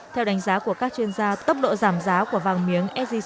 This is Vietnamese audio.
theo đánh giá của các chuyên gia tốc độ giảm giá của vàng miếng sgc